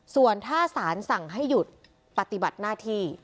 ส่วนถ้าสารสั่งให้หยุดปฏิบัติหน้าที่